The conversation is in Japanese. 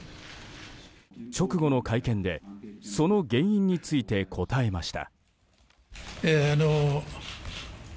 直後の会見でその原因について答えました。